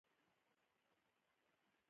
یو بل تن یې پر تخت کښېناوه.